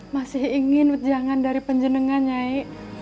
masih ingin jangan dari penjenengan nyai